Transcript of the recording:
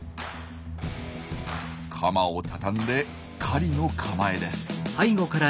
カマを畳んで狩りの構えです。